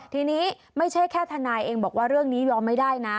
ทีนี้ไม่ใช่แค่ทนายเองบอกว่าเรื่องนี้ยอมไม่ได้นะ